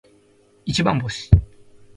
一番星